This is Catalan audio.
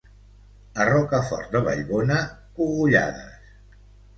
A Rocafort de Vallbona, cogullades.